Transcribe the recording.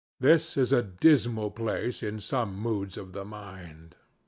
This is a dismal place in some moods of the mind.